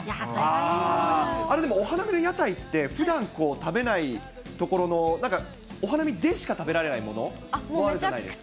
お花見の屋台って、ふだん、食べないところのなんかお花見でしか食べられないものってあるじゃないですか。